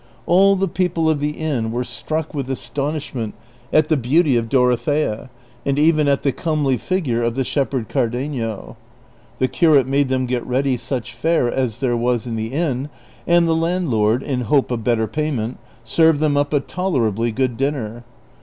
All the people of the inn were struck with astonishment at the beauty of Dorothea, and even at the comely figure of the shepherd Cardenio. The curate made them get ready such fare as there was in the inn, and the landlord, in hope of better payment, served them up a tolerably good dinner.